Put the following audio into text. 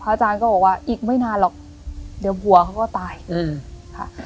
อาจารย์ก็บอกว่าอีกไม่นานหรอกเดี๋ยวบัวเขาก็ตายอืมค่ะ